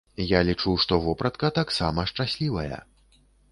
Я лічу, што вопратка таксама шчаслівая.